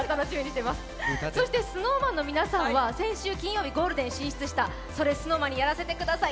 そしてＳｎｏｗＭａｎの皆さんは先週金曜日、ゴールデンに進出した「それＳｎｏｗＭａｎにやらせて下さい」